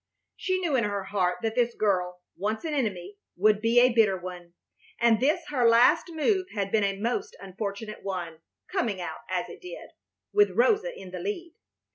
She knew in her heart that this girl, once an enemy, would be a bitter one, and this her last move had been a most unfortunate one, coming out, as it did, with Rosa in the lead.